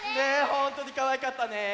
ほんとにかわいかったね！